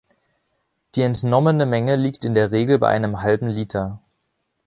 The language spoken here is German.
Die entnommene Menge liegt in der Regel bei einem halben Liter.